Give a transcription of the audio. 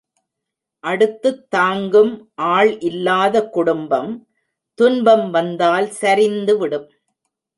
அடுத்துத் தாங்கும் ஆள் இல்லாத குடும்பம் துன்பம் வந்தால் சரிந்துவிடும்.